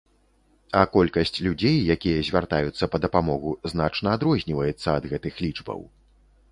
А колькасць людзей, якія звяртаюцца па дапамогу, значна адрозніваецца ад гэтых лічбаў.